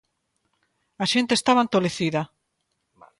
A xente estaba entolecida.